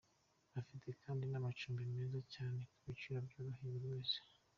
Bafite kandi n’amacumbi meza cyane ku biciro byoroheye buri wese.